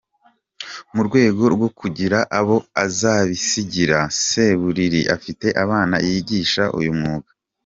Mu rwego rwo kugira abo azabisigira, Seburiri afite abana yigisha uyu mwuga.